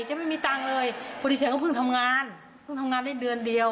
จะไม่มีตังค์เลยพอดีฉันก็เพิ่งทำงานเพิ่งทำงานได้เดือนเดียว